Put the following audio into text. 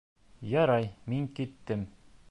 Ярай, мин киттем.